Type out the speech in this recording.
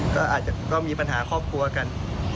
ก็อาจจะก็มีปัญหาครอบครัวกัน